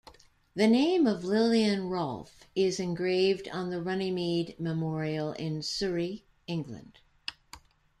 The name of Lilian Rolfe is engraved on the Runnymede Memorial in Surrey, England.